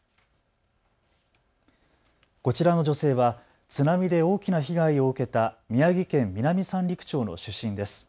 こちらの女性は津波で大きな被害を受けた宮城県南三陸町の出身です。